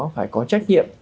phải có trách nhiệm